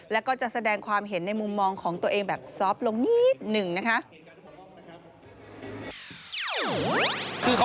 แล้วก็จะแสดงความเห็นในมุมมองของตัวเองแบบซอฟต์ลงนิดหนึ่งนะคะ